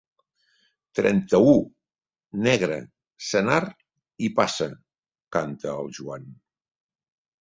Trenta-u, negre, senar i passa —canta el Joan.